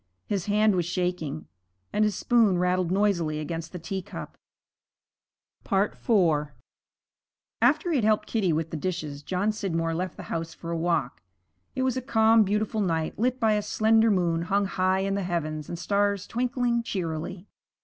His hand was shaking, and his spoon rattled noisily against the teacup. IV After he had helped Kitty with the dishes, John Scidmore left the house for a walk. It was a calm, beautiful night, lit by a slender moon hung high in the heavens and stars twinkling cheerily.